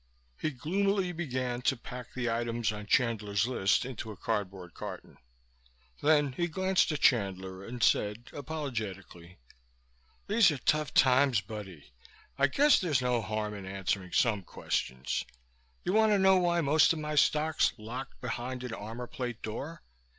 He gloomily began to pack the items on Chandler's list into a cardboard carton. Then he glanced at Chandler and said, apologetically, "These are tough times, buddy. I guess there's no harm in answering some questions. You want to know why most of my stock's locked behind an armor plate door?